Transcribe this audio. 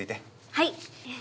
はい。